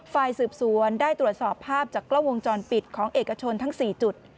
ฝ่ายสืบสวนได้ตรวจสอบภาพจากกล้องวงจรปิดของเอกชนทั้ง๔จุด